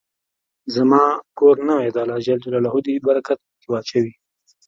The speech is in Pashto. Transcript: زما کور نوې ده، الله ج د برکت په کي واچوی